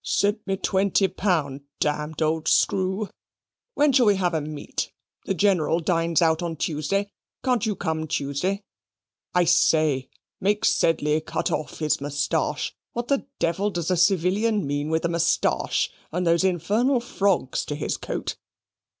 "Sent me twenty pound, damned old screw. When shall we have a meet? The General dines out on Tuesday. Can't you come Tuesday? I say, make Sedley cut off his moustache. What the devil does a civilian mean with a moustache and those infernal frogs to his coat!